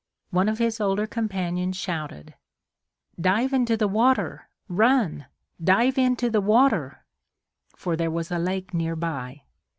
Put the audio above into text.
One of his older companions shouted: "Dive into the water! Run! Dive into the water!" for there was a lake near by.